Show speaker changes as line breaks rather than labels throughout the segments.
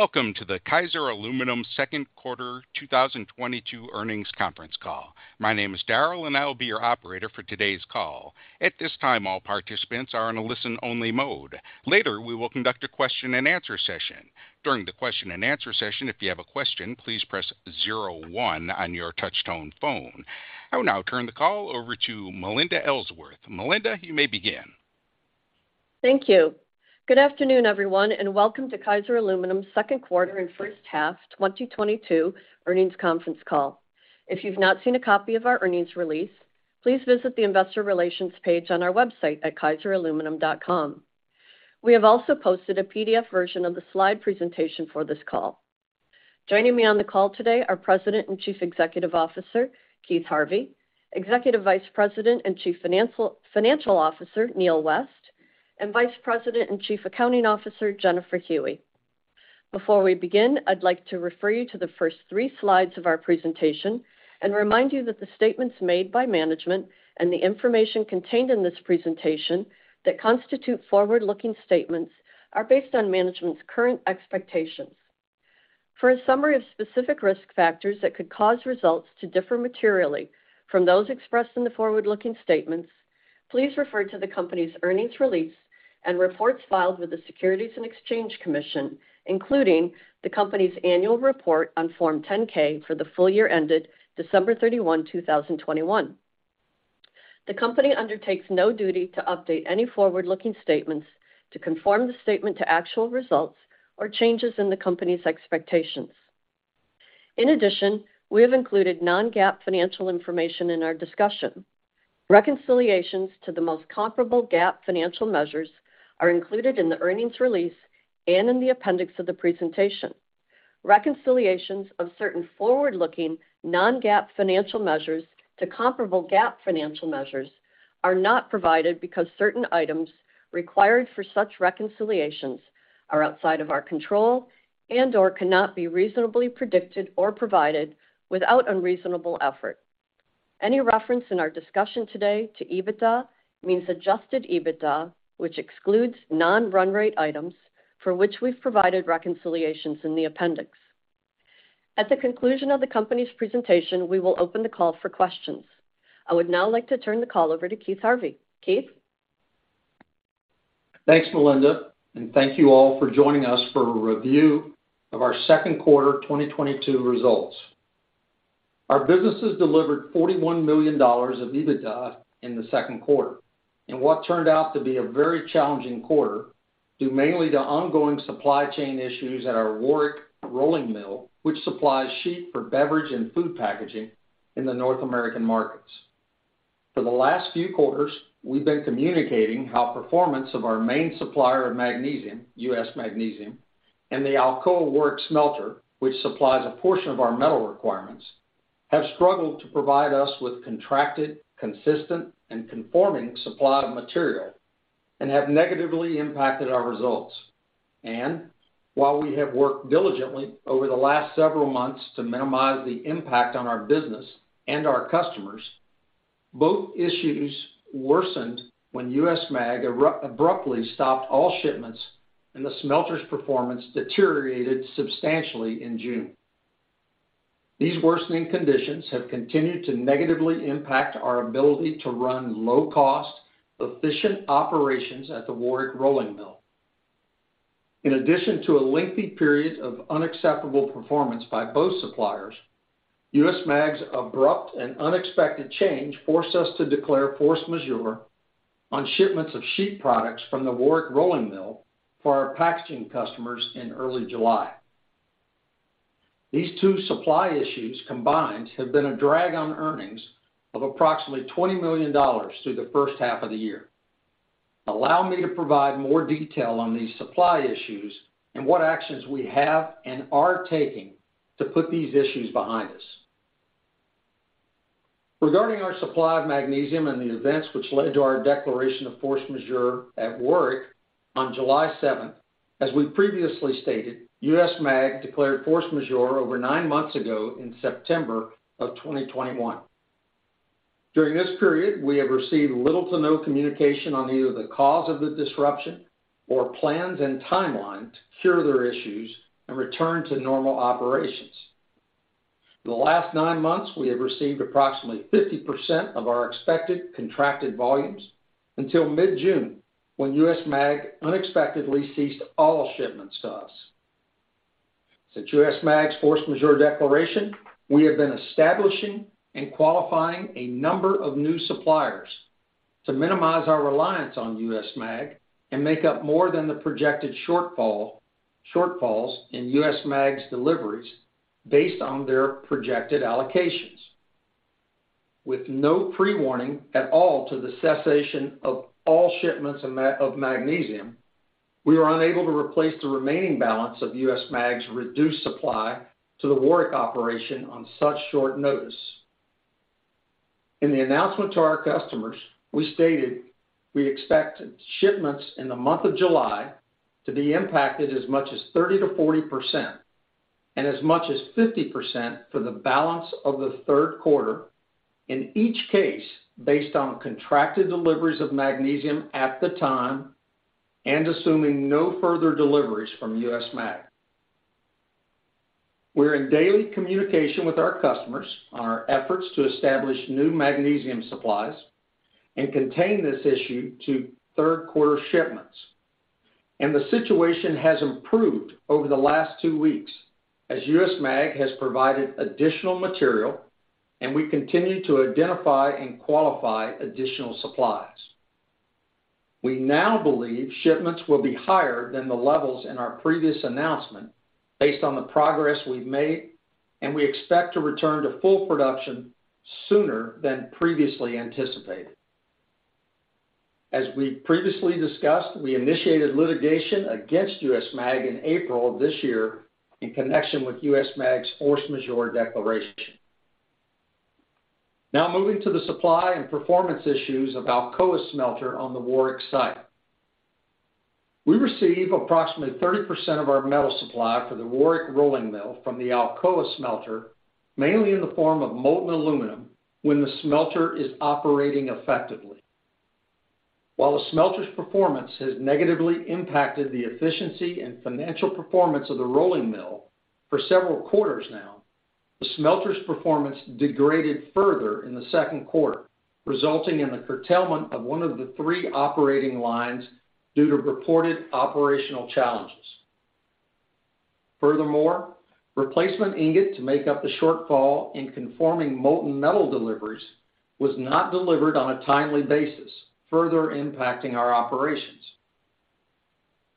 Welcome to the Kaiser Aluminum second quarter 2022 earnings conference call. My name is Daryl, and I will be your operator for today's call. At this time, all participants are in a listen-only mode. Later, we will conduct a question-and-answer session. During the question-and-answer session, if you have a question, please press zero one on your touch-tone phone. I will now turn the call over to Melinda Ellsworth. Melinda, you may begin.
Thank you. Good afternoon, everyone, and welcome to Kaiser Aluminum's second quarter and first half 2022 earnings conference call. If you've not seen a copy of our earnings release, please visit the investor relations page on our website at kaiseraluminum.com. We have also posted a PDF version of the slide presentation for this call. Joining me on the call today are President and Chief Executive Officer, Keith Harvey, Executive Vice President and Chief Financial Officer, Neal West, and Vice President and Chief Accounting Officer, Jennifer Huey. Before we begin, I'd like to refer you to the first three slides of our presentation and remind you that the statements made by management and the information contained in this presentation that constitute forward-looking statements are based on management's current expectations. For a summary of specific risk factors that could cause results to differ materially from those expressed in the forward-looking statements, please refer to the company's earnings release and reports filed with the Securities and Exchange Commission, including the company's annual report on Form 10-K for the full year ended December 31, 2021. The company undertakes no duty to update any forward-looking statements to conform the statement to actual results or changes in the company's expectations. In addition, we have included non-GAAP financial information in our discussion. Reconciliations to the most comparable GAAP financial measures are included in the earnings release and in the appendix of the presentation. Reconciliations of certain forward-looking non-GAAP financial measures to comparable GAAP financial measures are not provided because certain items required for such reconciliations are outside of our control and/or cannot be reasonably predicted or provided without unreasonable effort. Any reference in our discussion today to EBITDA means adjusted EBITDA, which excludes non-run rate items for which we've provided reconciliations in the appendix. At the conclusion of the company's presentation, we will open the call for questions. I would now like to turn the call over to Keith Harvey, Keith?
Thanks, Melinda, and thank you all for joining us for a review of our second quarter 2022 results. Our businesses delivered $41 million of EBITDA in the second quarter in what turned out to be a very challenging quarter, due mainly to ongoing supply chain issues at our Warrick rolling mill, which supplies sheet for beverage and food packaging in the North American markets. For the last few quarters, we've been communicating how performance of our main supplier of magnesium, US Magnesium, and the Alcoa Warrick Smelter, which supplies a portion of our metal requirements, have struggled to provide us with contracted, consistent, and conforming supply of material and have negatively impacted our results. While we have worked diligently over the last several months to minimize the impact on our business and our customers, both issues worsened when US Magnesium abruptly stopped all shipments and the smelter's performance deteriorated substantially in June. These worsening conditions have continued to negatively impact our ability to run low-cost, efficient operations at the Warrick rolling mill. In addition to a lengthy period of unacceptable performance by both suppliers, US Magnesium's abrupt and unexpected change forced us to declare force majeure on shipments of sheet products from the Warrick rolling mill for our packaging customers in early July. These two supply issues combined have been a drag on earnings of approximately $20 million through the first half of the year. Allow me to provide more detail on these supply issues and what actions we have and are taking to put these issues behind us. Regarding our supply of magnesium and the events which led to our declaration of force majeure at Warrick on July 7, as we've previously stated, US Magnesium declared force majeure over 9 months ago in September of 2021. During this period, we have received little to no communication on either the cause of the disruption or plans and timeline to cure their issues and return to normal operations. The last nine months, we have received approximately 50% of our expected contracted volumes until mid-June, when US Magnesium unexpectedly ceased all shipments to us. Since US Magnesium's force majeure declaration, we have been establishing and qualifying a number of new suppliers to minimize our reliance on US Magnesium and make up more than the projected shortfall, shortfalls in US Magnesium's deliveries based on their projected allocations. With no pre-warning at all to the cessation of all shipments of magnesium, we were unable to replace the remaining balance of US Magnesium's reduced supply to the Warrick operation on such short notice. In the announcement to our customers, we stated we expected shipments in the month of July to be impacted as much as 30%-40% and as much as 50% for the balance of the third quarter, in each case, based on contracted deliveries of magnesium at the time, and assuming no further deliveries from US Magnesium. We're in daily communication with our customers on our efforts to establish new magnesium supplies and contain this issue to third quarter shipments. The situation has improved over the last two weeks as US Magnesium has provided additional material, and we continue to identify and qualify additional supplies. We now believe shipments will be higher than the levels in our previous announcement based on the progress we've made, and we expect to return to full production sooner than previously anticipated. As we previously discussed, we initiated litigation against US Magnesium in April of this year in connection with US Magnesium's force majeure declaration. Now moving to the supply and performance issues of Alcoa's Smelter on the Warrick site. We receive approximately 30% of our metal supply for the Warrick Rolling Mill from the Alcoa Smelter, mainly in the form of molten aluminum when the smelter is operating effectively. While the smelter's performance has negatively impacted the efficiency and financial performance of the rolling mill for several quarters now, the smelter's performance degraded further in the second quarter, resulting in the curtailment of one of the three operating lines due to reported operational challenges. Furthermore, replacement ingot to make up the shortfall in conforming molten metal deliveries was not delivered on a timely basis, further impacting our operations.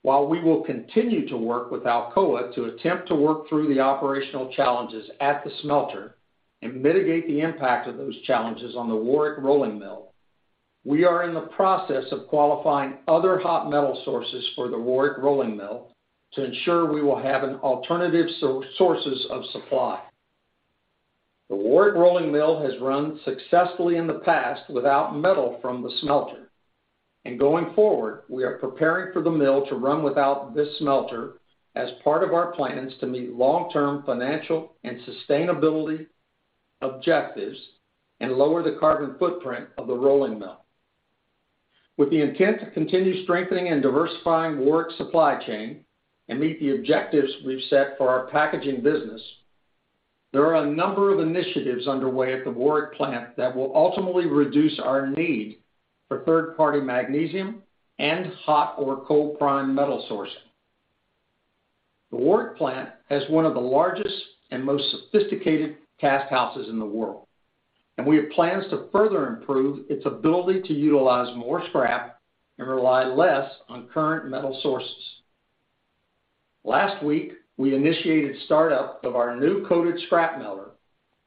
While we will continue to work with Alcoa to attempt to work through the operational challenges at the smelter and mitigate the impact of those challenges on the Warrick Rolling Mill, we are in the process of qualifying other hot metal sources for the Warrick Rolling Mill to ensure we will have an alternative sources of supply. The Warrick Rolling Mill has run successfully in the past without metal from the smelter. Going forward, we are preparing for the mill to run without this smelter as part of our plans to meet long-term financial and sustainability objectives and lower the carbon footprint of the rolling mill. With the intent to continue strengthening and diversifying Warrick's supply chain and meet the objectives we've set for our packaging business, there are a number of initiatives underway at the Warrick plant that will ultimately reduce our need for third-party magnesium and hot or cold primed metal sourcing. The Warrick plant has one of the largest and most sophisticated cast houses in the world, and we have plans to further improve its ability to utilize more scrap and rely less on current metal sources. Last week, we initiated startup of our new coated scrap smelter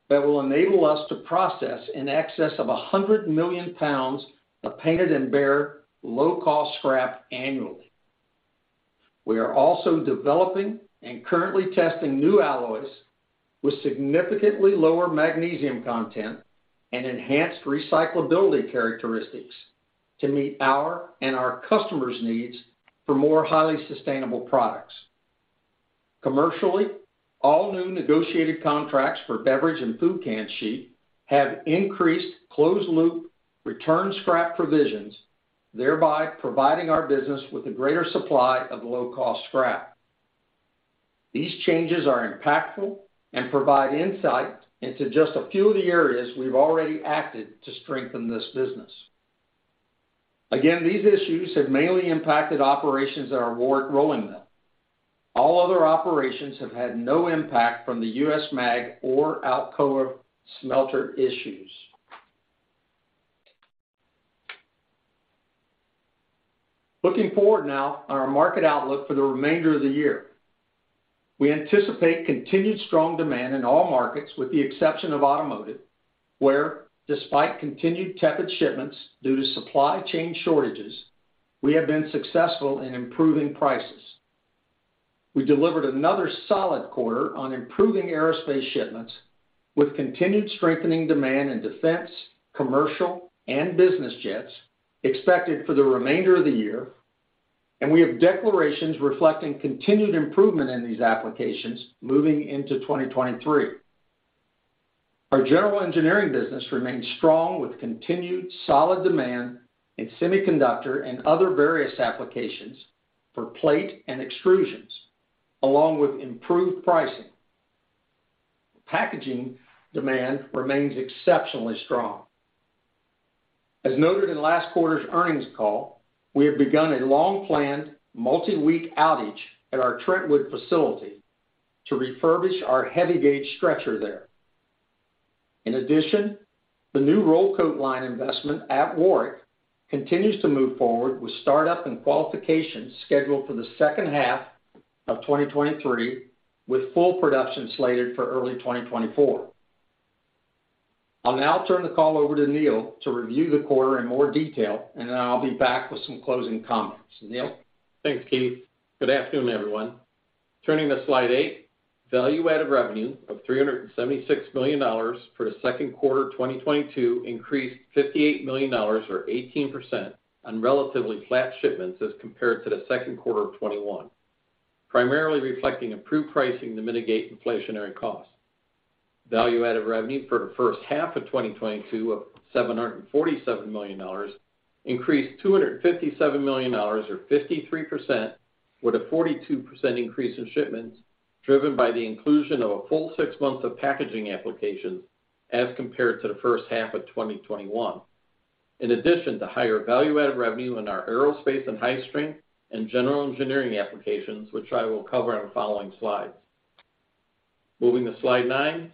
that will enable us to process in excess of 100 million pounds of painted and bare low-cost scrap annually. We are also developing and currently testing new alloys with significantly lower magnesium content and enhanced recyclability characteristics to meet our and our customers' needs for more highly sustainable products. Commercially, all new negotiated contracts for beverage and food can sheet have increased closed loop return scrap provisions, thereby providing our business with a greater supply of low-cost scrap. These changes are impactful and provide insight into just a few of the areas we've already acted to strengthen this business. These issues have mainly impacted operations at our Warrick Rolling Mill. All other operations have had no impact from the US Magnesium or Alcoa Smelter issues. Looking forward now on our market outlook for the remainder of the year. We anticipate continued strong demand in all markets, with the exception of automotive, where despite continued tepid shipments due to supply chain shortages, we have been successful in improving prices. We delivered another solid quarter on improving aerospace shipments with continued strengthening demand in defense, commercial, and business jets expected for the remainder of the year. We have declarations reflecting continued improvement in these applications moving into 2023. Our General Engineering business remains strong with continued solid demand in semiconductor and other various applications for plate and extrusions, along with improved pricing. Packaging demand remains exceptionally strong. As noted in last quarter's earnings call, we have begun a long-planned multi-week outage at our Trentwood facility to refurbish our heavy gauge stretcher there. In addition, the new roll coat line investment at Warrick continues to move forward with startup and qualification scheduled for the second half of 2023, with full production slated for early 2024. I'll now turn the call over to Neal to review the quarter in more detail and then I'll be back with some closing comments. Neal?
Thanks, Keith. Good afternoon, everyone. Turning to slide eight. Value-added revenue of $376 million for the second quarter 2022 increased $58 million or 18% on relatively flat shipments as compared to the second quarter of 2021, primarily reflecting improved pricing to mitigate inflationary costs. Value-added revenue for the first half of 2022 of $747 million increased $257 million or 53% with a 42% increase in shipments, driven by the inclusion of a full six months of packaging applications as compared to the first half of 2021. In addition to higher value-added revenue in our Aerospace and High Strength and General Engineering applications, which I will cover on the following slides. Moving to slide nine.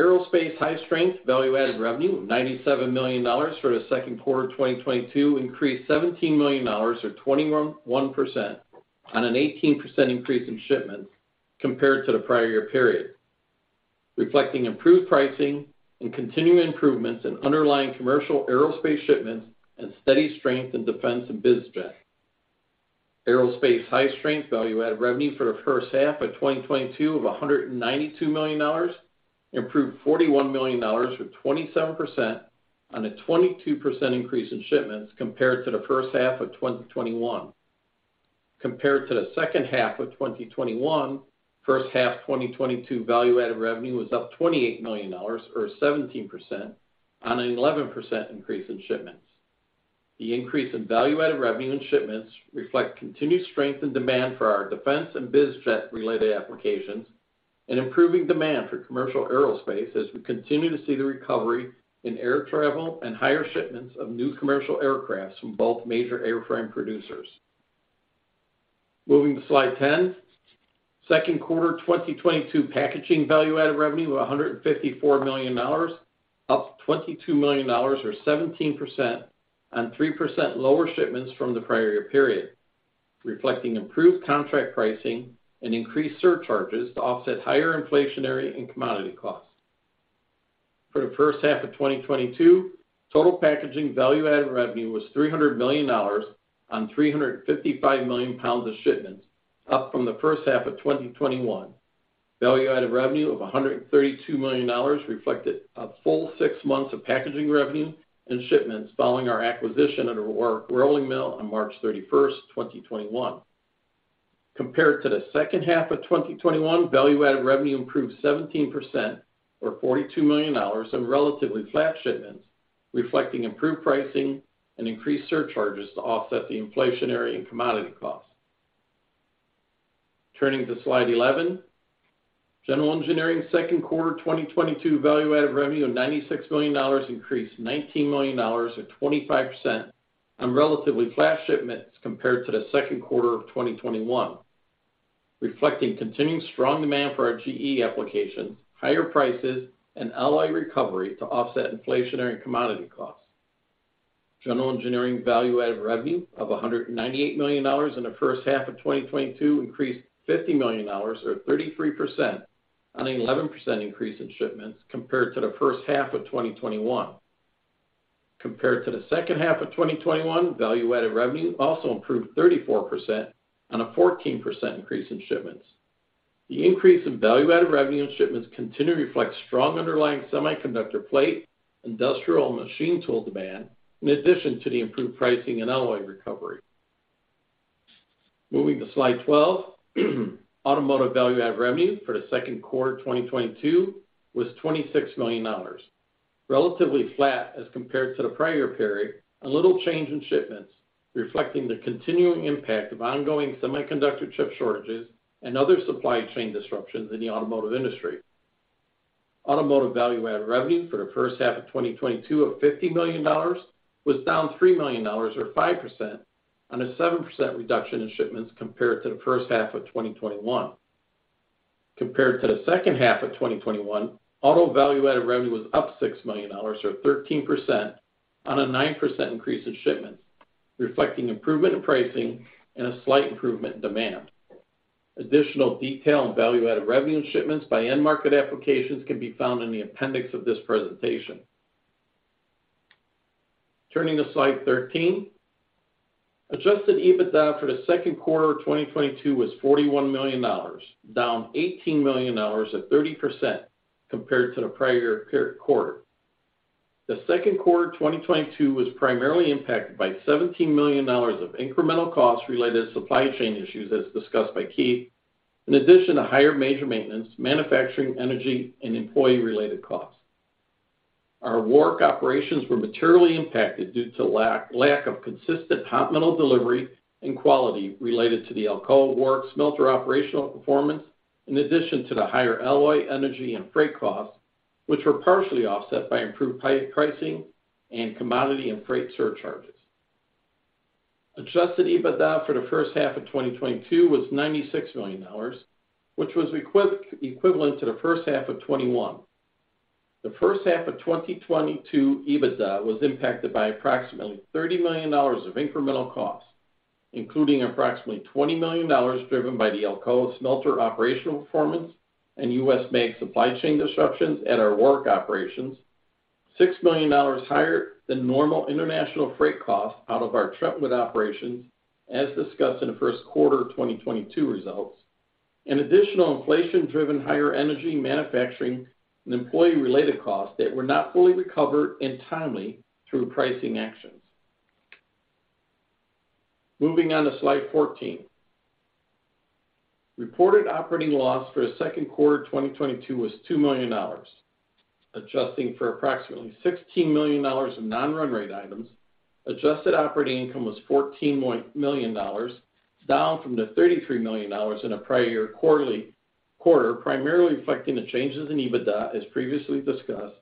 Aerospace & High Strength value-added revenue of $97 million for the second quarter of 2022 increased $17 million or 21% on an 18% increase in shipments compared to the prior year period, reflecting improved pricing and continued improvements in underlying commercial aerospace shipments and steady strength in defense and biz jet. Aerospace & High Strength value-added revenue for the first half of 2022 of $192 million improved $41 million or 27% on a 22% increase in shipments compared to the first half of 2021. Compared to the second half of 2021, first half 2022 value-added revenue was up $28 million or 17% on an 11% increase in shipments. The increase in value-added revenue and shipments reflect continued strength in demand for our defense and biz jet-related applications and improving demand for commercial aerospace as we continue to see the recovery in air travel and higher shipments of new commercial aircraft from both major airframe producers. Moving to slide 10, second quarter 2022 packaging value-added revenue of $154 million, up $22 million or 17% on 3% lower shipments from the prior year period, reflecting improved contract pricing and increased surcharges to offset higher inflationary and commodity costs. For the first half of 2022, total packaging value-added revenue was $300 million on 355 million pounds of shipments up from the first half of 2021. Value-added revenue of $132 million reflected a full six months of packaging revenue and shipments following our acquisition of our Warrick rolling mill on March 31, 2021. Compared to the second half of 2021, value-added revenue improved 17% or $42 million on relatively flat shipments, reflecting improved pricing and increased surcharges to offset the inflationary and commodity costs. Turning to slide 11, general Engineering's second quarter 2022 value-added revenue of $96 million increased $19 million or 25% on relatively flat shipments compared to the second quarter of 2021, reflecting continuing strong demand for our GE applications, higher prices, and alloy recovery to offset inflationary and commodity costs. General Engineering value-added revenue of $198 million in the first half of 2022 increased $50 million or 33% on an 11% increase in shipments compared to the first half of 2021. Compared to the second half of 2021, value-added revenue also improved 34% on a 14% increase in shipments. The increase in value-added revenue and shipments continue to reflect strong underlying semiconductor plate, industrial and machine tool demand in addition to the improved pricing and alloy recovery. Moving to slide 12, Automotive value-added revenue for the second quarter of 2022 was $26 million, relatively flat as compared to the prior period. A little change in shipments, reflecting the continuing impact of ongoing semiconductor chip shortages and other supply chain disruptions in the automotive industry. Automotive value-added revenue for the first half of 2022 of $50 million was down $3 million or 5% on a 7% reduction in shipments compared to the first half of 2021. Compared to the second half of 2021, auto value-added revenue was up $6 million or 13% on a 9% increase in shipments, reflecting improvement in pricing and a slight improvement in demand. Additional detail on value-added revenue and shipments by end market applications can be found in the appendix of this presentation. Turning to slide 13, adjusted EBITDA for the second quarter of 2022 was $41 million, down $18 million or 30% compared to the prior-year quarter. The second quarter of 2022 was primarily impacted by $17 million of incremental costs related to supply chain issues, as discussed by Keith, in addition to higher major maintenance, manufacturing, energy, and employee-related costs. Our Warrick operations were materially impacted due to lack of consistent hot metal delivery and quality related to the Alcoa Warrick Smelter operational performance, in addition to the higher alloy, energy, and freight costs, which were partially offset by improved pricing and commodity and freight surcharges. Adjusted EBITDA for the first half of 2022 was $96 million, which was equivalent to the first half of 2021. The first half of 2022 EBITDA was impacted by approximately $30 million of incremental costs, including approximately $20 million driven by the Alcoa Smelter operational performance and US Mag supply chain disruptions at our Warrick operations, $6 million higher than normal international freight costs out of our Trentwood operations, as discussed in the first quarter of 2022 results, and additional inflation-driven higher energy, manufacturing, and employee-related costs that were not fully recovered and timely through pricing actions. Moving on to slide 14, reported operating loss for the second quarter 2022 was $2 million. Adjusting for approximately $16 million in non-run rate items, adjusted operating income was $14 million, down from the $33 million in the prior quarter, primarily reflecting the changes in EBITDA as previously discussed,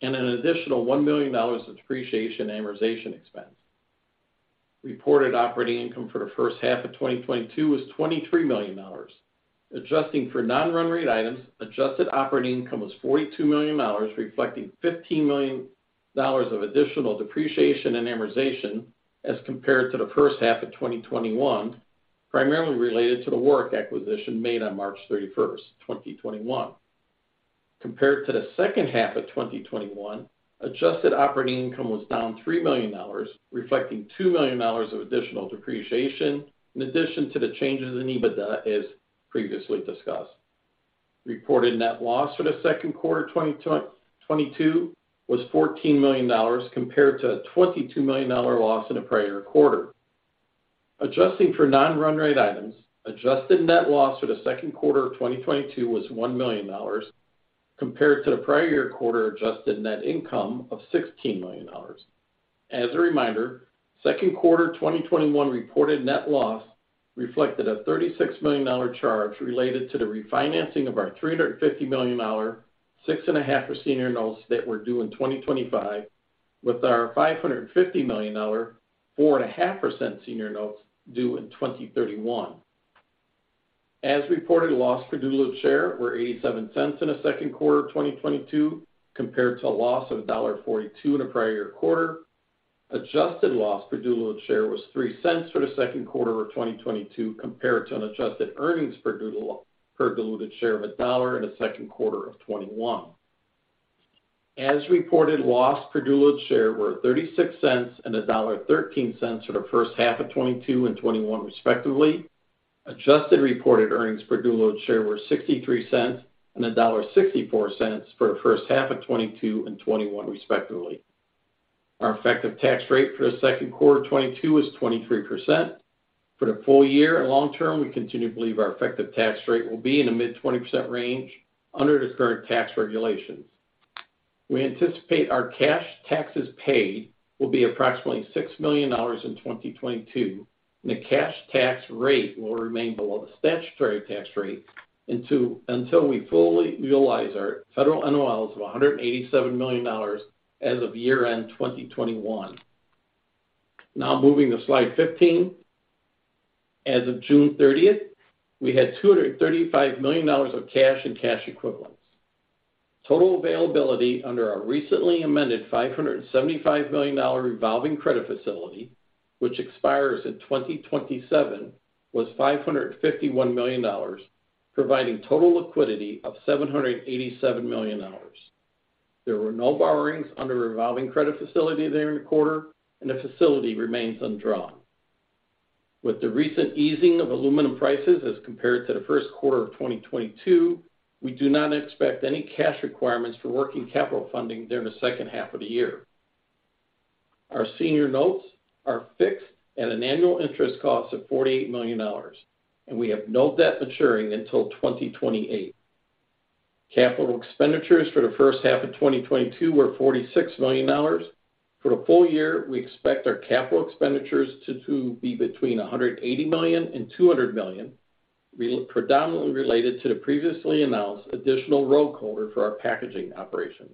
and an additional $1 million of depreciation amortization expense. Reported operating income for the first half of 2022 was $23 million. Adjusting for non-run rate items, adjusted operating income was $42 million, reflecting $15 million of additional depreciation and amortization as compared to the first half of 2021, primarily related to the Warrick acquisition made on March 31, 2021. Compared to the second half of 2021, adjusted operating income was down $3 million, reflecting $2 million of additional depreciation in addition to the changes in EBITDA, as previously discussed. Reported net loss for the second quarter 2022 was $14 million compared to a $22 million loss in the prior quarter. Adjusting for non-run rate items, adjusted net loss for the second quarter of 2022 was $1 million compared to the prior year quarter adjusted net income of $16 million. As a reminder, second quarter 2021 reported net loss reflected a $36 million charge related to the refinancing of our $350 million 6.5% senior notes that were due in 2025 with our $550 million 4.5% senior notes due in 2031. As reported, loss per diluted share were $0.87 in the second quarter of 2022 compared to a loss of $1.42 in the prior quarter. Adjusted loss per diluted share was $0.03 for the second quarter of 2022 compared to an adjusted earnings per diluted share of $1 in the second quarter of 2021. As reported, loss per diluted share were $0.36 and $1.13 for the first half of 2022 and 2021 respectively. Adjusted reported earnings per diluted share were $0.63 and $1.64 for the first half of 2022 and 2021 respectively. Our effective tax rate for the second quarter of 2022 was 23%. For the full year and long term, we continue to believe our effective tax rate will be in the mid-20% range under the current tax regulations. We anticipate our cash taxes paid will be approximately $6 million in 2022, and the cash tax rate will remain below the statutory tax rate until we fully utilize our federal NOLs of $187 million as of year-end 2021. Now moving to slide 15. As of June 30, we had $235 million of cash and cash equivalents. Total availability under our recently amended $575 million revolving credit facility, which expires in 2027, was $551 million, providing total liquidity of $787 million. There were no borrowings under the revolving credit facility during the quarter, and the facility remains undrawn. With the recent easing of aluminum prices as compared to the first quarter of 2022, we do not expect any cash requirements for working capital funding during the second half of the year. Our senior notes are fixed at an annual interest cost of $48 million, and we have no debt maturing until 2028. Capital expenditures for the first half of 2022 were $46 million. For the full year, we expect our capital expenditures to be between $180 million and $200 million, predominantly related to the previously announced additional roll caster for our packaging operations.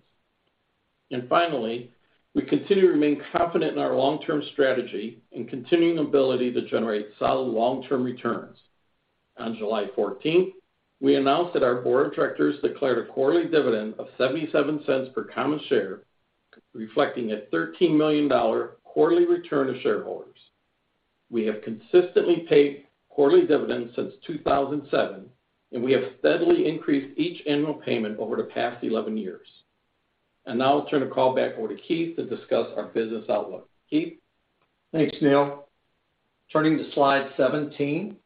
Finally, we continue to remain confident in our long-term strategy and continuing ability to generate solid long-term returns. On July 14, we announced that our board of directors declared a quarterly dividend of $0.77 per common share, reflecting a $13 million quarterly return to shareholders. We have consistently paid quarterly dividends since 2007, and we have steadily increased each annual payment over the past 11 years. Now I'll turn the call back over to Keith to discuss our business outlook. Keith?
Thanks, Neal. Turning to slide 17.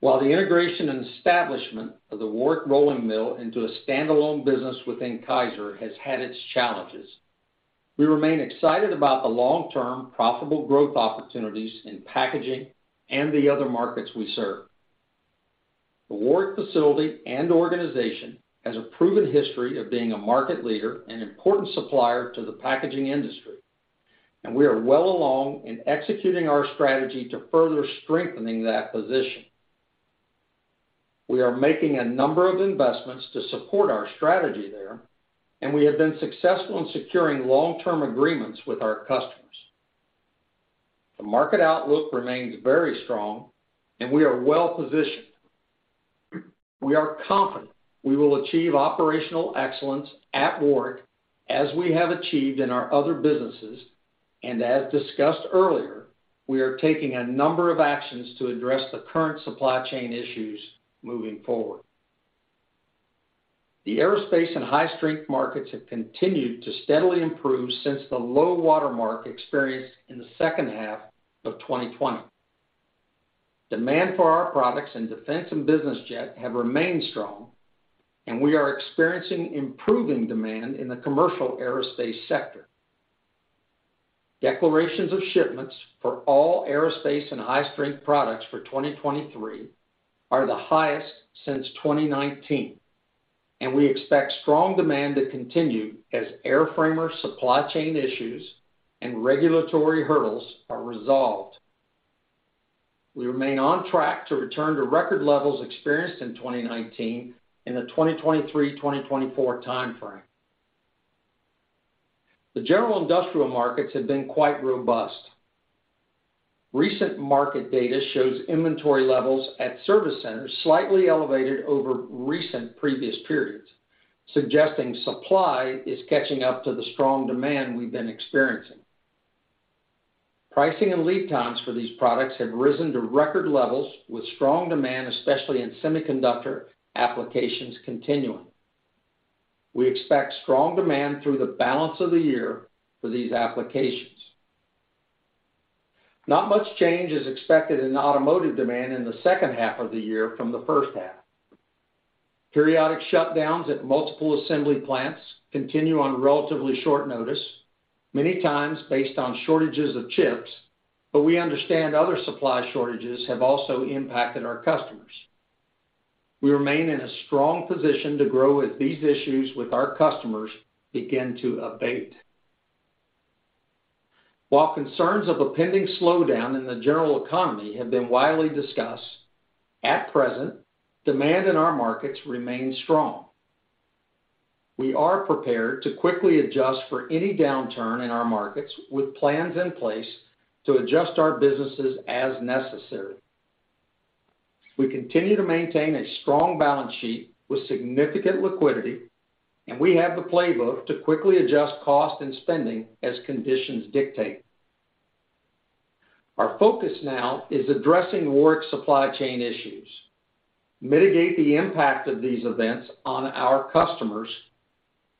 While the integration and establishment of the Warrick Rolling Mill into a standalone business within Kaiser has had its challenges, we remain excited about the long-term profitable growth opportunities in packaging and the other markets we serve. The Warrick facility and organization has a proven history of being a market leader and important supplier to the packaging industry, and we are well along in executing our strategy to further strengthening that position. We are making a number of investments to support our strategy there, and we have been successful in securing long-term agreements with our customers. The market outlook remains very strong, and we are well-positioned. We are confident we will achieve operational excellence at Warrick as we have achieved in our other businesses. As discussed earlier, we are taking a number of actions to address the current supply chain issues moving forward. The Aerospace and High Strength markets have continued to steadily improve since the low water mark experienced in the second half of 2020. Demand for our products in defense and business jet have remained strong, and we are experiencing improving demand in the commercial aerospace sector. Declarations of shipments for all Aerospace and High Strength products for 2023 are the highest since 2019, and we expect strong demand to continue as airframer supply chain issues and regulatory hurdles are resolved. We remain on track to return to record levels experienced in 2019 in the 2023, 2024 time frame. The General Engineering markets have been quite robust. Recent market data shows inventory levels at service centers slightly elevated over recent previous periods, suggesting supply is catching up to the strong demand we've been experiencing. Pricing and lead times for these products have risen to record levels with strong demand, especially in semiconductor applications continuing. We expect strong demand through the balance of the year for these applications. Not much change is expected in Automotive demand in the second half of the year from the first half. Periodic shutdowns at multiple assembly plants continue on relatively short notice, many times based on shortages of chips, but we understand other supply shortages have also impacted our customers. We remain in a strong position to grow as these issues with our customers begin to abate. While concerns of a pending slowdown in the general economy have been widely discussed, at present, demand in our markets remains strong. We are prepared to quickly adjust for any downturn in our markets with plans in place to adjust our businesses as necessary. We continue to maintain a strong balance sheet with significant liquidity, and we have the playbook to quickly adjust cost and spending as conditions dictate. Our focus now is addressing Warrick's supply chain issues, mitigate the impact of these events on our customers,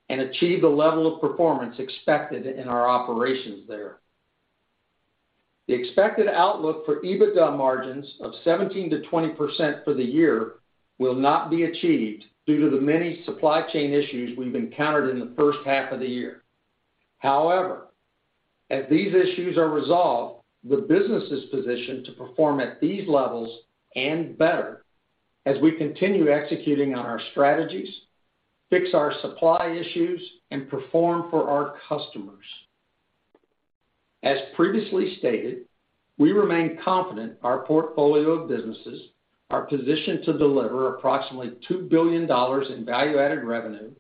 and achieve the level of performance expected in our operations there. The expected outlook for EBITDA margins of 17%-20% for the year will not be achieved due to the many supply chain issues we've encountered in the first half of the year. However, as these issues are resolved, the business is positioned to perform at these levels and better as we continue executing on our strategies, fix our supply issues, and perform for our customers. As previously stated, we remain confident our portfolio of businesses are positioned to deliver approximately $2 billion in value-added revenue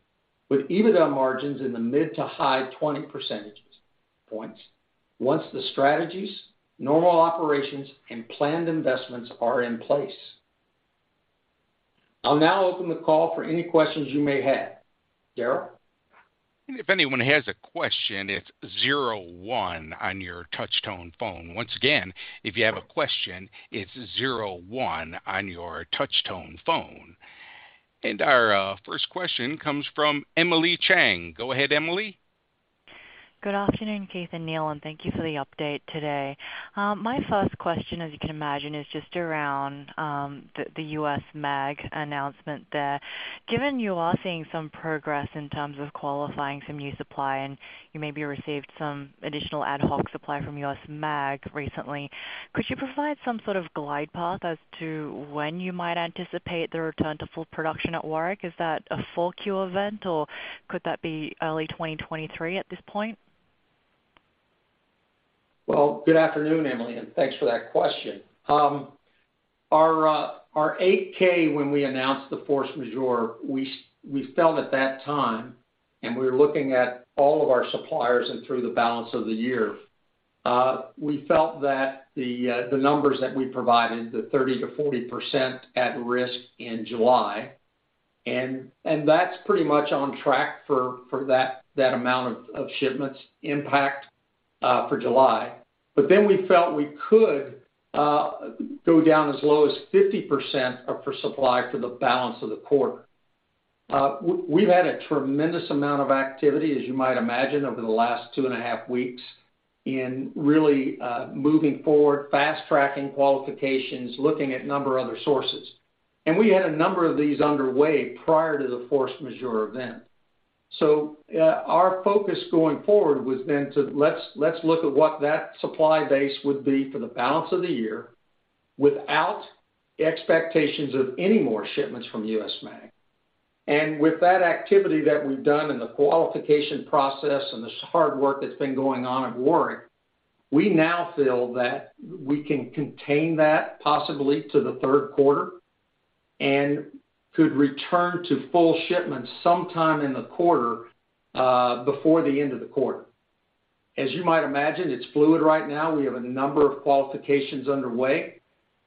with EBITDA margins in the mid- to high-20 percentage points once the strategies, normal operations, and planned investments are in place. I'll now open the call for any questions you may have. Daryl?
If anyone has a question, it's zero one on your touch-tone phone. Once again, if you have a question, it's zero one on your touch-tone phone. Our first question comes from Emily Chang, go ahead Emily.
Good afternoon, Keith and Neal, and thank you for the update today. My first question, as you can imagine, is just around the US Magnesium announcement there. Given you are seeing some progress in terms of qualifying some new supply, and you maybe received some additional ad hoc supply from US Magnesium recently, could you provide some sort of glide path as to when you might anticipate the return to full production at Warrick? Is that a full Q event, or could that be early 2023 at this point?
Well, good afternoon, Emily, and thanks for that question. Our 8-K when we announced the force majeure, we felt at that time, and we were looking at all of our suppliers and through the balance of the year, we felt that the numbers that we provided, the 30%-40% at risk in July, and that's pretty much on track for that amount of shipments impact for July. We felt we could go down as low as 50% for supply for the balance of the quarter. We've had a tremendous amount of activity, as you might imagine, over the last 2.5 weeks in really moving forward, fast-tracking qualifications, looking at a number of other sources. We had a number of these underway prior to the force majeure event. Our focus going forward was to look at what that supply base would be for the balance of the year without expectations of any more shipments from US Magnesium. With that activity that we've done in the qualification process and this hard work that's been going on at Warrick, we now feel that we can contain that possibly to the third quarter and could return to full shipments sometime in the quarter, before the end of the quarter. As you might imagine, it's fluid right now. We have a number of qualifications underway,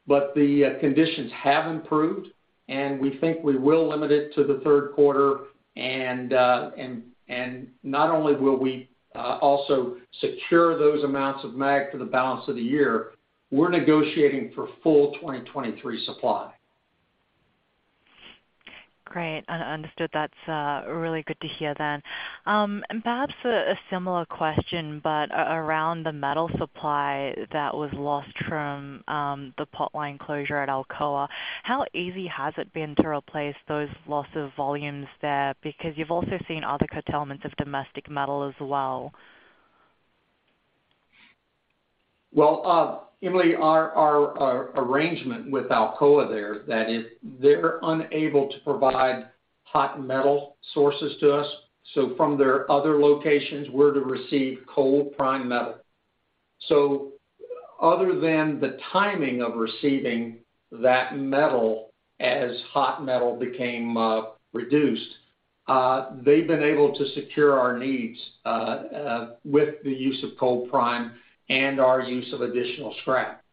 but the conditions have improved, and we think we will limit it to the third quarter. not only will we also secure those amounts of Magnesium for the balance of the year, we're negotiating for full 2023 supply.
Great. Understood. That's really good to hear then. Perhaps a similar question, but around the metal supply that was lost from the potline closure at Alcoa, how easy has it been to replace those loss of volumes there? Because you've also seen other curtailments of domestic metal as well.
Well, Emily, our arrangement with Alcoa there, that is, they're unable to provide hot metal sources to us. From their other locations, we're to receive cold prime metal. Other than the timing of receiving that metal as hot metal became reduced, they've been able to secure our needs with the use of cold prime and our use of additional scrap.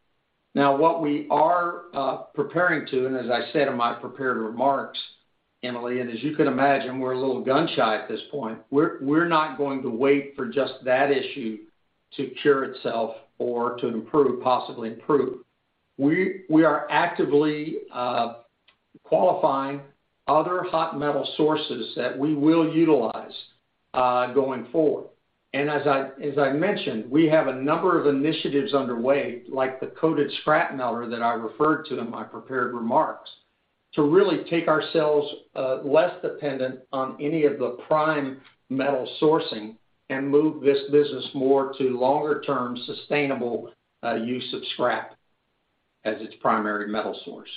Now what we are preparing to, and as I said in my prepared remarks, Emily, and as you can imagine, we're a little gun-shy at this point. We're not going to wait for just that issue to cure itself or to improve, possibly. We are actively qualifying other hot metal sources that we will utilize going forward. As I mentioned, we have a number of initiatives underway, like the coated scrap smelter that I referred to in my prepared remarks, to really make ourselves less dependent on any of the prime metal sourcing and move this business more to longer-term sustainable use of scrap as its primary metal source.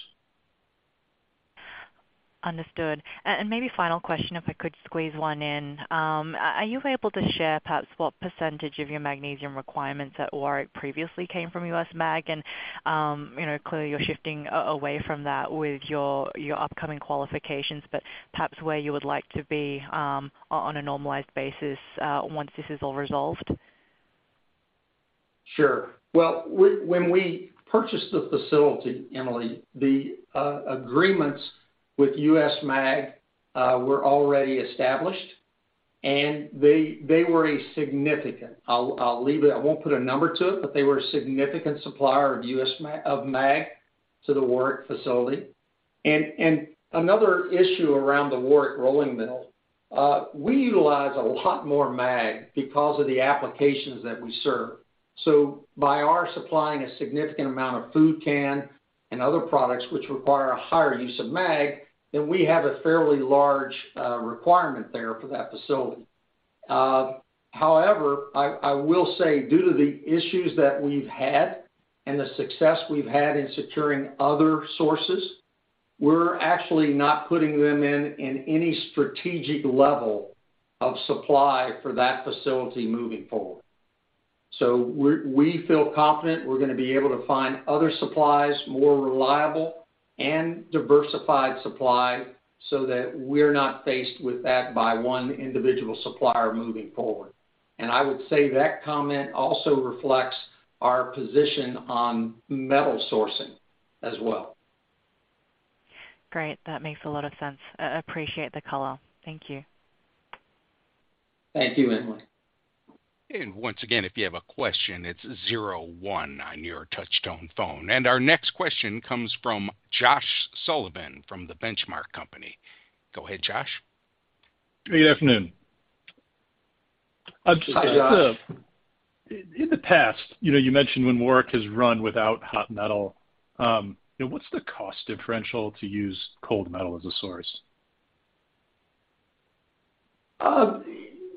Understood. Maybe final question, if I could squeeze one in. Are you able to share perhaps what percentage of your magnesium requirements at Warrick previously came from US Magnesium? You know, clearly you're shifting away from that with your upcoming qualifications. Perhaps where you would like to be on a normalized basis once this is all resolved.
Sure. Well, we, when we purchased the facility, Emily, the agreements with US Magnesium were already established. I'll leave it. I won't put a number to it, but they were a significant supplier of US Magnesium to the Warrick facility. Another issue around the Warrick rolling mill, we utilize a lot more magnesium because of the applications that we serve. By our supplying a significant amount of food can and other products which require a higher use of magnesium, we have a fairly large requirement there for that facility. However, I will say due to the issues that we've had and the success we've had in securing other sources, we're actually not putting them in any strategic level of supply for that facility moving forward. We feel confident we're gonna be able to find other supplies more reliable and diversified supply so that we're not faced with that by one individual supplier moving forward. I would say that comment also reflects our position on metal sourcing as well.
Great. That makes a lot of sense. Appreciate the color. Thank you.
Thank you, Emily.
Once again, if you have a question, it's zero one on your touchtone phone. Our next question comes from Josh Sullivan from The Benchmark Company, go ahead, Josh.
Good afternoon.
Hi, Josh.
In the past, you know, you mentioned when Warrick has run without hot metal, what's the cost differential to use cold metal as a source?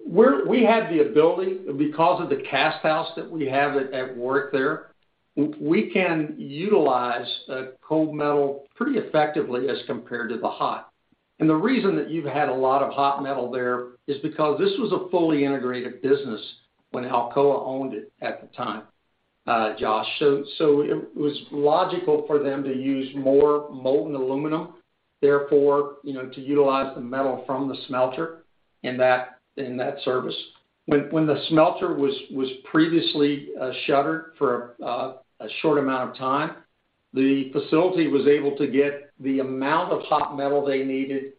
We have the ability, because of the cast house that we have at work there, we can utilize cold metal pretty effectively as compared to the hot. The reason that you've had a lot of hot metal there is because this was a fully integrated business when Alcoa owned it at the time, Josh. It was logical for them to use more molten aluminum, therefore, you know, to utilize the metal from the smelter in that service. When the smelter was previously shuttered for a short amount of time, the facility was able to get the amount of hot metal they needed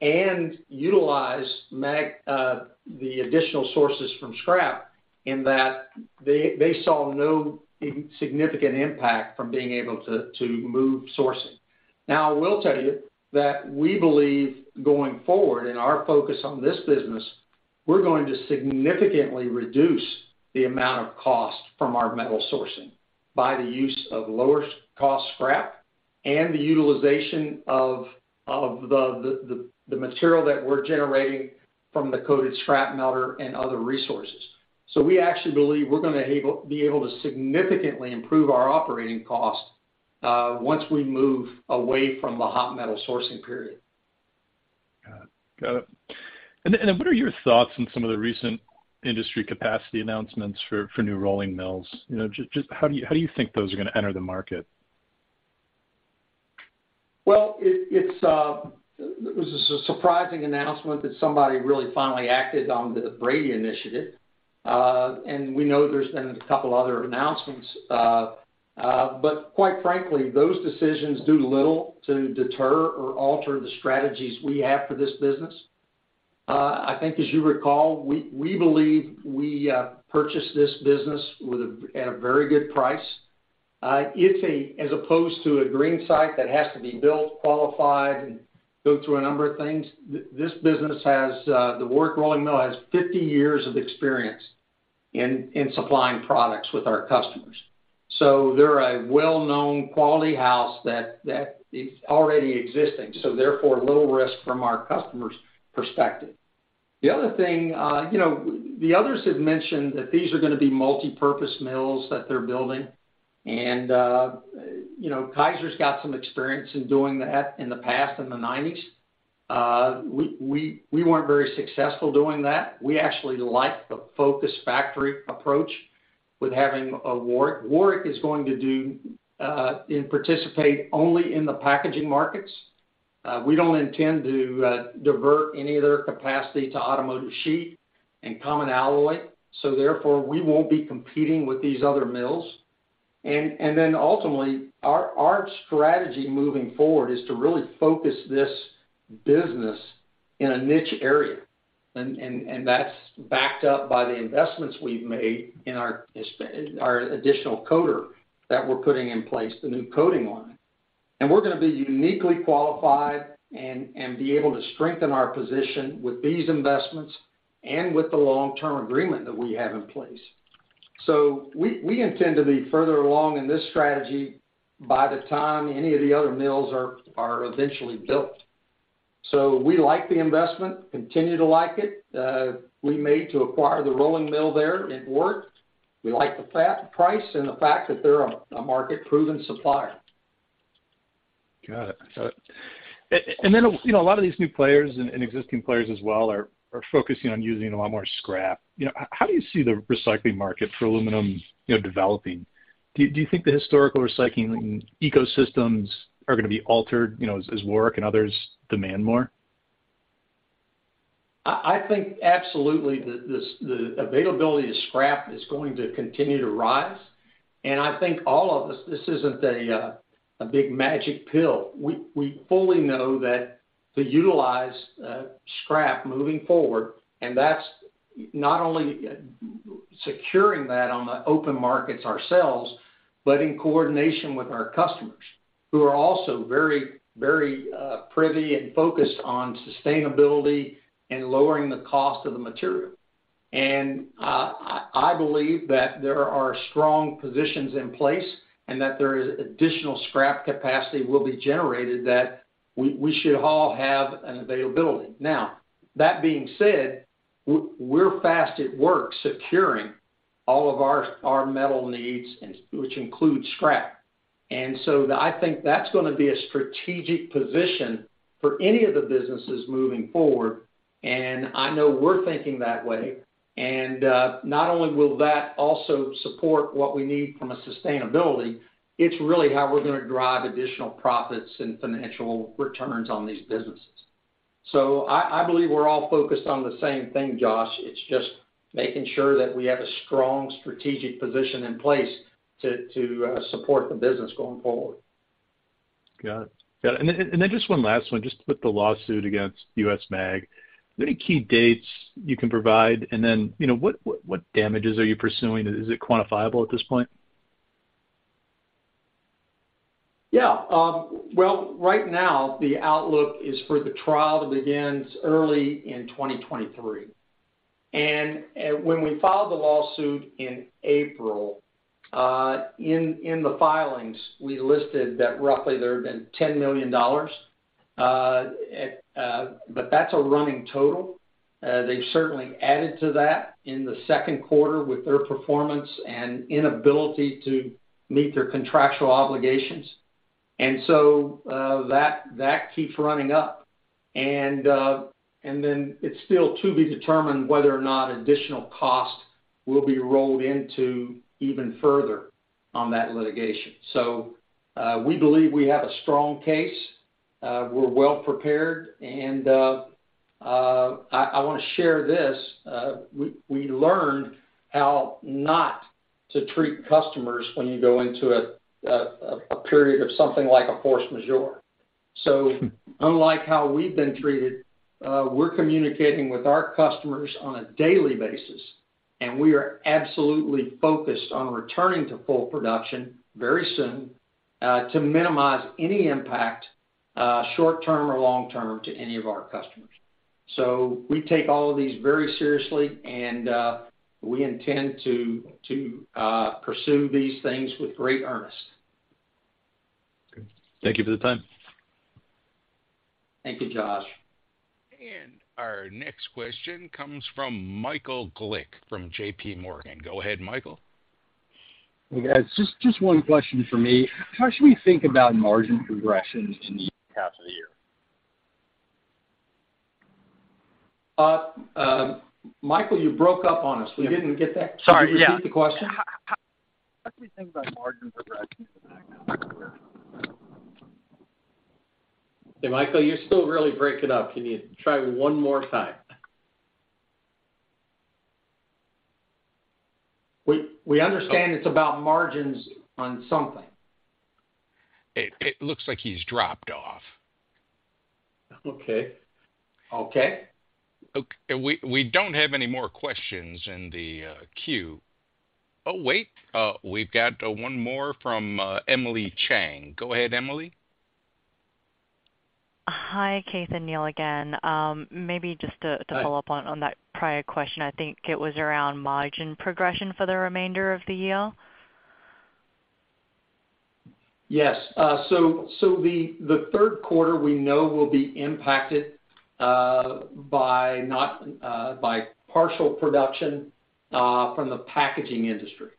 and utilize the additional sources from scrap in that they saw no significant impact from being able to move sourcing. Now, I will tell you that we believe going forward in our focus on this business, we're going to significantly reduce the amount of cost from our metal sourcing by the use of lower cost scrap and the utilization of the material that we're generating from the coated scrap smelter and other resources. We actually believe we're gonna be able to significantly improve our operating cost once we move away from the hot metal sourcing.
Got it. What are your thoughts on some of the recent industry capacity announcements for new rolling mills? You know, just how do you think those are gonna enter the market?
It was a surprising announcement that somebody really finally acted on the Braidy initiative. We know there's been a couple other announcements. Quite frankly, those decisions do little to deter or alter the strategies we have for this business. I think as you recall, we believe we purchased this business at a very good price. It's as opposed to a green site that has to be built, qualified, and go through a number of things. This business has the Warrick rolling mill has 50 years of experience in supplying products with our customers. They're a well-known quality house that is already existing, therefore, little risk from our customers' perspective. The other thing, you know, the others have mentioned that these are gonna be multipurpose mills that they're building, and, you know, Kaiser's got some experience in doing that in the past in the nineties. We weren't very successful doing that. We actually like the focused factory approach with having Warrick. Warrick is going to do and participate only in the packaging markets. We don't intend to divert any of their capacity to automotive sheet and common alloy, so therefore, we won't be competing with these other mills. Then ultimately, our strategy moving forward is to really focus this business in a niche area, and that's backed up by the investments we've made in our additional coater that we're putting in place, the new coating line. We're gonna be uniquely qualified and be able to strengthen our position with these investments and with the long-term agreement that we have in place. We intend to be further along in this strategy by the time any of the other mills are eventually built. We like the investment, continue to like it, we made to acquire the rolling mill there at Warrick. We like the price and the fact that they're a market-proven supplier.
Got it. You know, a lot of these new players and existing players as well are focusing on using a lot more scrap. You know, how do you see the recycling market for aluminum, you know, developing? Do you think the historical recycling ecosystems are gonna be altered, you know, as Warrick and others demand more?
I think absolutely the availability of scrap is going to continue to rise, and I think all of us, this isn't a big magic pill. We fully know that to utilize scrap moving forward, and that's not only securing that on the open markets ourselves, but in coordination with our customers who are also very privy and focused on sustainability and lowering the cost of the material. I believe that there are strong positions in place and that there is additional scrap capacity will be generated that we should all have an availability. Now that being said, we're fast at work securing all of our metal needs, which includes scrap. I think that's gonna be a strategic position for any of the businesses moving forward, and I know we're thinking that way. Not only will that also support what we need from a sustainability, it's really how we're gonna drive additional profits and financial returns on these businesses. I believe we're all focused on the same thing, Josh. It's just making sure that we have a strong strategic position in place to support the business going forward.
Got it. Just one last one, just with the lawsuit against US Magnesium. Any key dates you can provide? You know, what damages are you pursuing? Is it quantifiable at this point?
Yeah. Well, right now the outlook is for the trial to begin early in 2023. When we filed the lawsuit in April, in the filings we listed that roughly there had been $10 million. But that's a running total. They've certainly added to that in the second quarter with their performance and inability to meet their contractual obligations. That keeps running up. It's still to be determined whether or not additional cost will be rolled into even further on that litigation. We believe we have a strong case. We're well prepared. I wanna share this. We learned how not to treat customers when you go into a period of something like a force majeure. Unlike how we've been treated, we're communicating with our customers on a daily basis, and we are absolutely focused on returning to full production very soon, to minimize any impact, short term or long term to any of our customers. We take all of these very seriously, and we intend to pursue these things with great earnest.
Good. Thank you for the time.
Thank you, Josh.
Our next question comes from Michael Glick from JPMorgan, go ahead Michael.
Hey, guys. Just one question for me. How should we think about margin progressions in the second half of the year?
Michael, you broke up on us. We didn't get that.
Sorry, yeah.
Can you repeat the question?
How should we think about margin progression in the second half of the year?
Hey, Michael, you're still really breaking up. Can you try one more time? We understand it's about margins on something.
It looks like he's dropped off.
Okay.
Okay.
OK, we don't have any more questions in the queue. Oh, wait. We've got one more from Emily Chang, go ahead Emily.
Hi, Keith and Neal again. Maybe just to follow up on that prior question. I think it was around margin progression for the remainder of the year.
Yes. So the third quarter we know will be impacted by partial production from the packaging industry,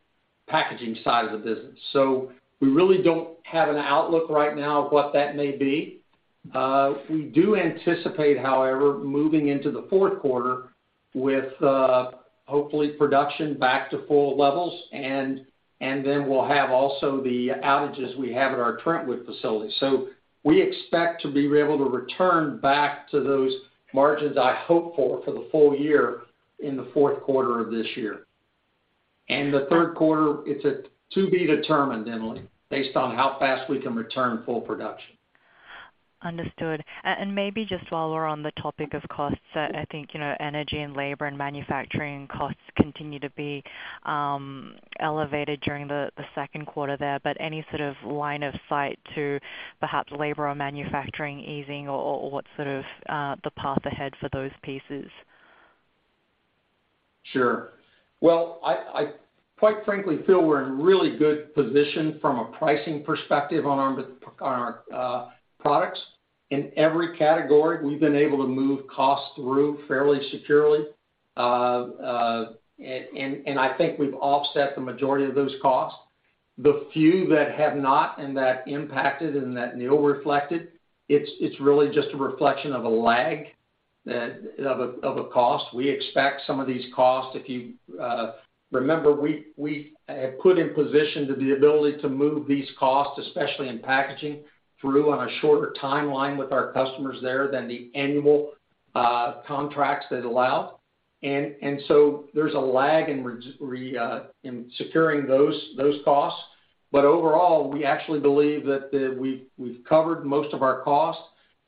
packaging side of the business. We really don't have an outlook right now of what that may be. We do anticipate, however, moving into the fourth quarter with hopefully production back to full levels and then we'll have also the outages we have at our Trentwood facility. We expect to be able to return back to those margins I hope for for the full year in the fourth quarter of this year. The third quarter it's to be determined, Emily, based on how fast we can return full production.
Understood. Maybe just while we're on the topic of costs, I think, you know, energy and labor and manufacturing costs continue to be elevated during the second quarter there, but any sort of line of sight to perhaps labor or manufacturing easing or what's sort of the path ahead for those pieces?
Sure. Well, I quite frankly feel we're in a really good position from a pricing perspective on our products. In every category, we've been able to move costs through fairly securely. I think we've offset the majority of those costs. The few that have not, that Neal reflected, it's really just a reflection of a lag of a cost. We expect some of these costs. If you remember, we put in position to the ability to move these costs, especially in packaging, through on a shorter timeline with our customers there than the annual contracts that allow. There's a lag in securing those costs. Overall, we actually believe that we've covered most of our costs.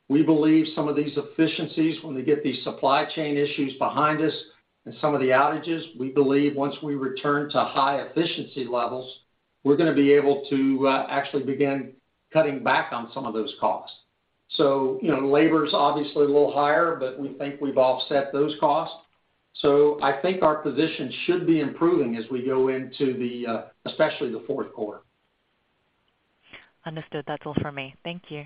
We believe some of these efficiencies, when we get these supply chain issues behind us and some of the outages, we believe once we return to high efficiency levels, we're gonna be able to actually begin cutting back on some of those costs. You know, labor's obviously a little higher, but we think we've offset those costs. I think our position should be improving as we go into the especially the fourth quarter.
Understood. That's all for me. Thank you.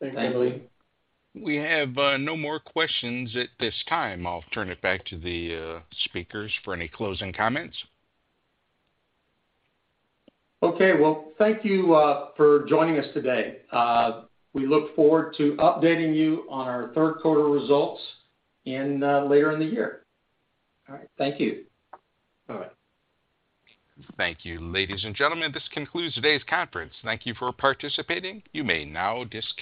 Thanks, Emily.
We have no more questions at this time. I'll turn it back to the speakers for any closing comments.
Okay. Well, thank you for joining us today. We look forward to updating you on our third quarter results later in the year.
All right. Thank you.
Bye.
Thank you ladies and gentlemen. This concludes today's conference. Thank you for participating, you may now disconnect.